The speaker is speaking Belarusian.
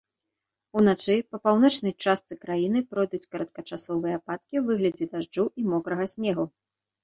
Уначы па паўночнай частцы краіны пройдуць кароткачасовыя ападкі ў выглядзе дажджу і мокрага снегу.